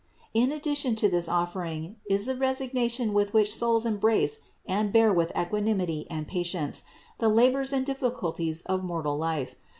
618. In addition to this offering is the resignation with which souls embrace and bear with equanimity and patience the labors and difficulties of mortal life.